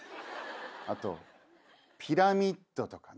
あとピラミッドとかね。